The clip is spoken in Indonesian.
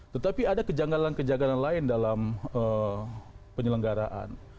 tetapi ada kejanganan kejanganan lain dalam penyelenggaraan